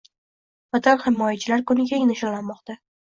Vatan himoyachilari kuni keng nishonlanmoqda